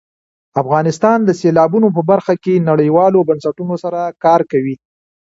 افغانستان د سیلابونو په برخه کې نړیوالو بنسټونو سره کار کوي.